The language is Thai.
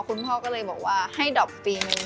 คุณพ่อก็เลยบอกว่าให้ดอบฟิล